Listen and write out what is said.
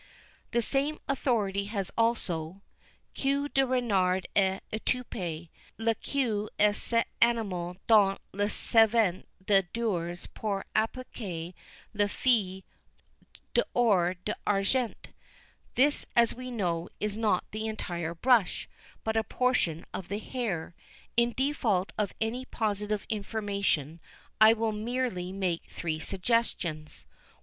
The same authority has also: "Queue de renard à étouper. Le queue de cet animal dont se servent les doreurs pour appliquer les feuilles d'or ou d'argent." This, as we know, is not the entire brush, but a portion of the hair. In default of any positive information, I will merely make three suggestions: 1.